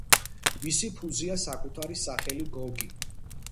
მისი ფუძეა საკუთარი სახელი გოგი.